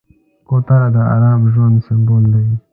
کوتره د ارام ژوند سمبول دی.